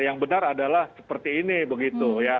yang benar adalah seperti ini begitu ya